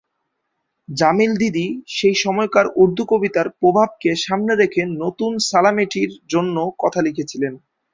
জামিল দিদি সেই সময়কার উর্দু কবিতার প্রভাবকে সামনে রেখে নতুন "সালামেঠি"-র জন্য কথা লিখেছিলেন।